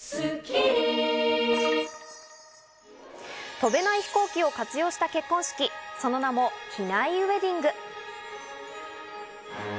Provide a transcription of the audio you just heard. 飛べない飛行機を活用した結婚式、その名も機内ウエディング。